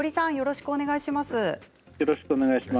よろしくお願いします。